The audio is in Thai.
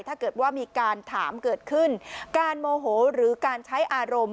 ถ้าเกิดว่ามีการถามเกิดขึ้นการโมโหหรือการใช้อารมณ์